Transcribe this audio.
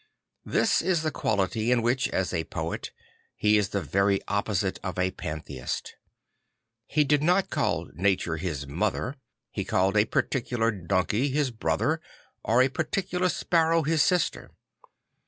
This is the quality in which, as a poet, he is the very opposite of a pantheist. He did not call nature his mother; he called a particular donkey his brother or a particu . lar sparrow his sister.